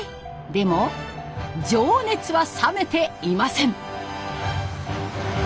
でも情熱は冷めていません！